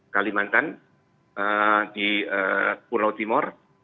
kalimantan di pulau timur